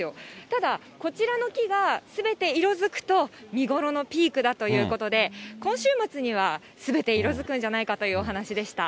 ただこちらの木がすべて色づくと、見頃のピークだということで、今週末にはすべて色づくんじゃないかというお話でした。